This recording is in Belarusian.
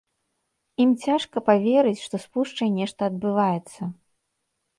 Ім цяжка паверыць, што з пушчай нешта адбываецца.